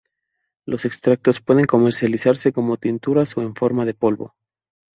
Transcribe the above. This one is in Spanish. Los extractos pueden comercializarse como tinturas o en forma de polvo.